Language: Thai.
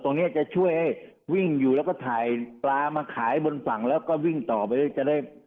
ตรงนี้จะช่วยวิ่งอยู่แล้วก็ถ่ายปลามาขายบนฝั่งแล้วก็วิ่งต่อไป